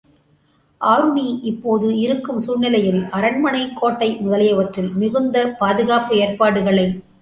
ஆருணி, இப்போது இருக்கும் சூழ்நிலையில் அரண்மனை, கோட்டை முதலியவற்றில் மிகுந்த பாதுகாப்பு ஏற்பாடுகளைச் செய்திருப்பதாகத் தெரிகிறது.